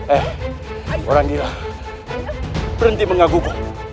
eh orang gila berhenti mengagumi